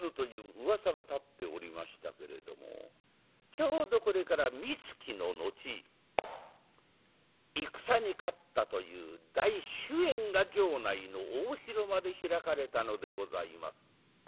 ちょうどこれからみつきの後戦に勝ったという大酒宴が城内の大広間で開かれたのでございます。